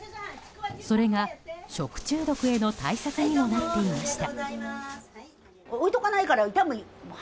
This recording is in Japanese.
それが食中毒への対策にもなっていました。